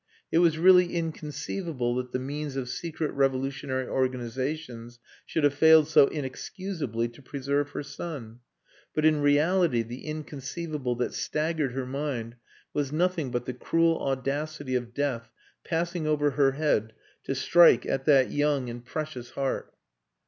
It was really inconceivable that the means of secret revolutionary organisations should have failed so inexcusably to preserve her son. But in reality the inconceivable that staggered her mind was nothing but the cruel audacity of Death passing over her head to strike at that young and precious heart.